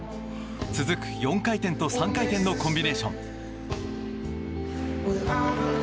続く４回転と３回転のコンビネーション。